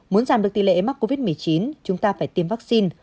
muốn giảm được tỷ lệ mắc covid một mươi chín chúng ta phải tiêm vaccine